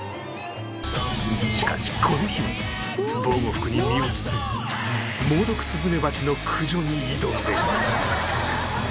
しかしこの日は防護服に身を包み猛毒スズメバチの駆除に挑んでいる